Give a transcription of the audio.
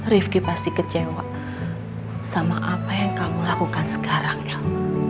rifki pasti kecewa sama apa yang kamu lakukan sekarang dong